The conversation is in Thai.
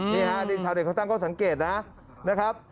นี่ฮะชาวเด็กเขาตั้งเขาสังเกตนะครับ